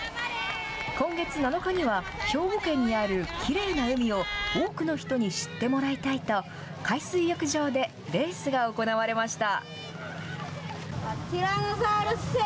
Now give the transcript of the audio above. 今月７日には、兵庫県にあるきれいな海を多くの人に知ってもらいたいと、海水浴場でレースが行われました。